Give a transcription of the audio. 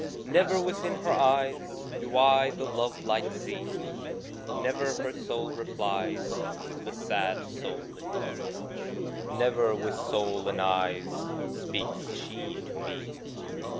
Never within her eyes Do I the love light see; Never her soul replies To the sad soul in me: Never with soul and eyes Speaks she to me.